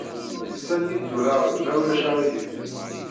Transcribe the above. Sa n yidulaṛen, ma ulac aɣilif.